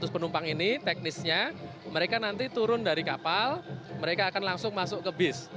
dua ratus penumpang ini teknisnya mereka nanti turun dari kapal mereka akan langsung masuk ke bis